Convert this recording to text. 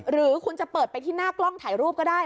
หรือคุณจะเปิดไปที่หน้ากล้องถ่ายรูปก็ได้